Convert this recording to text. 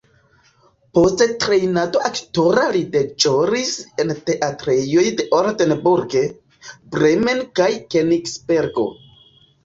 Post trejnado aktora li deĵoris en teatrejoj de Oldenburg, Bremen kaj Kenigsbergo.